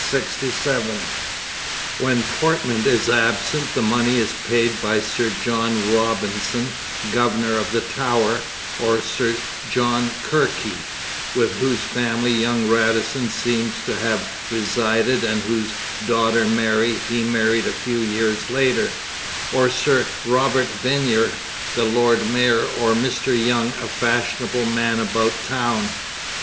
When Portman is absent the money is paid by Sir John Robinson, governor of the Tower, or Sir John Kirke with whose family young Radisson seems to have resided and whose daughter Mary he married a few years later or Sir Robert Viner, the lord mayor, or Mr Young, a fashionable man about town.